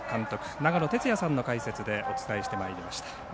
長野哲也さんの解説でお伝えしてまいりました。